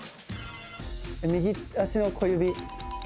右足の小指。